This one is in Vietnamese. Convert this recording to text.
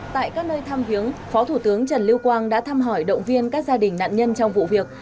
tại các nơi thăm viếng phó thủ tướng trần lưu quang đã thăm hỏi động viên các gia đình nạn nhân trong vụ việc